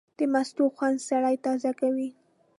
د مستو خوند سړی تازه کوي.